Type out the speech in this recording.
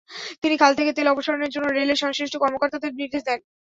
তিনি খাল থেকে তেল অপসারণের জন্য রেলের সংশ্লিষ্ট কর্মকর্তাদের নির্দেশ দেন।